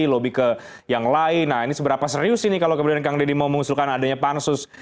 lobby ke yang lain nah ini seberapa serius ini kalau kemudian kang deddy mau mengusulkan adanya pansus